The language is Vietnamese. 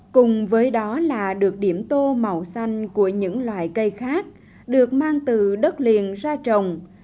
cùng với đó là được điểm tô màu xanh của những loài cây khác được mang từ đất liền ra trồng